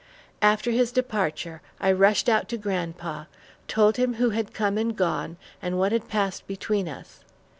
After his departure, I rushed out to grandpa, told him who had come and gone, and what had passed between us.